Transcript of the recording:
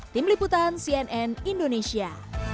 tim liputan cnn indonesia